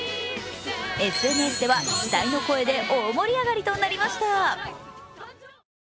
ＳＮＳでは、期待の声で大盛り上がりとなりました。